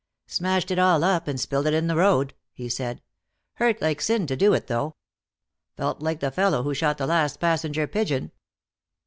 "Smashed it all up and spilled it in the road," he said. "Hurt like sin to do it, though. Felt like the fellow who shot the last passenger pigeon."